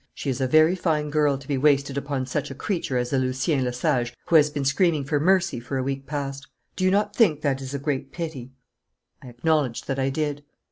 She is a very fine girl to be wasted upon such a creature as the Lucien Lesage who has been screaming for mercy for a week past. Do you not think that it is a great pity?' I acknowledged that I did.